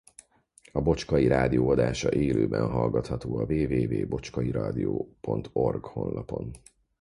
A Bocskai Rádió adása élőben hallgatható a www.bocskairadio.org honlapon.